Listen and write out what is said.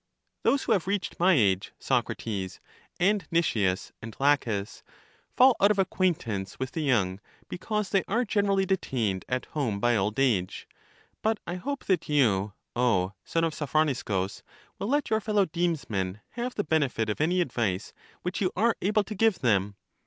Those who have reached my age, Socrates and Nicias and Laches, fall out of acquaintance with the young, because they are generally detained at home by old age; but I hope that you, O son of So phroniscus, will let your fellow demesmen have the benefit of any advice which you are able to give them.